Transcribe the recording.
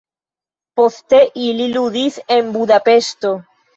Poste ili ludis en Budapeŝto.